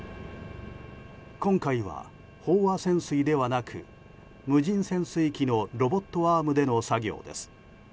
今回は飽和潜水ではなく無人潜水機のロボットアームでの作業です。